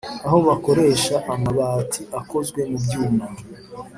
Aho bakoresha amabati akozwe mu byuma